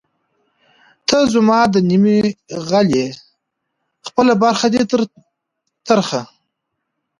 ته زما د نیمې غل ئې خپله برخه دی تر ترخه